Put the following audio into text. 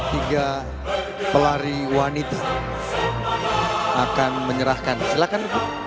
baik tiga pelari wanita akan menyerahkan silahkan